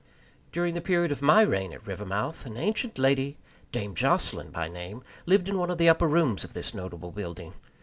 During the period of my reign at Rivermouth, an ancient lady, Dame Jocelyn by name, lived in one of the upper rooms of this notable building.